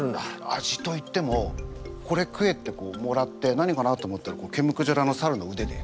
味といっても「これ食え」ってもらって「何かな？」と思ったら毛むくじゃらのサルのうでで。